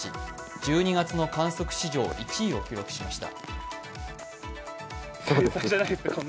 １２月の観測史上１位を記録しました